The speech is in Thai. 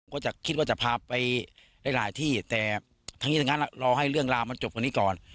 ก็จะคิดว่าจะพาไปได้หลายที่แต่ทั้งนี้ทั้งนั้นรอให้เรื่องราวมันจบกว่านี้ก่อน